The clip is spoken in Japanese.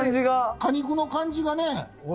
・果肉の感じがね・・おい